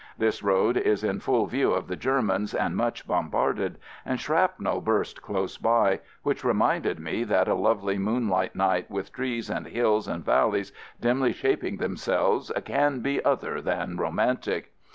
This road is in full view of the Germans and much bom barded, and shrapnel burst close by, which reminded me that a lovely moon light night with trees and hills and val leys dimly shaping themselves can be other than romantic.